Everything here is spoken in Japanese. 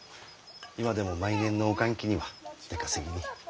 今でも毎年農閑期には出稼ぎに。